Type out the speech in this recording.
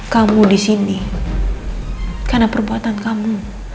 kamu disini karena perbuatan kamu